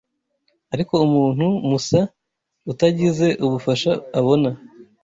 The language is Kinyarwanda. Ariko umuntu musa utagize ubufasha abona